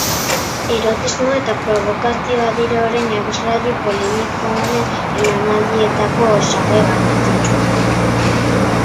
Erotismoa eta probokazioa dira orain abeslari polemiko honen emanaldietako osagai garrantzitsuenak.